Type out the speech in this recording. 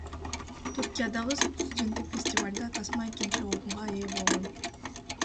Түркиядагы студенттик фестивалда тасма экинчи орунга ээ болгон.